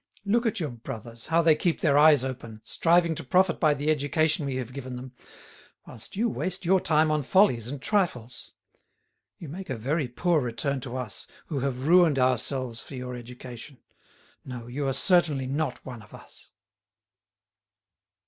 Look at your brothers, how they keep their eyes open, striving to profit by the education we have given them, whilst you waste your time on follies and trifles. You make a very poor return to us, who have ruined ourselves for your education. No, you are certainly not one of us."